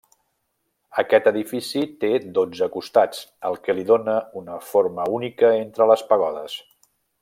Aquest edifici té dotze costats el que li dóna una forma única entre les pagodes.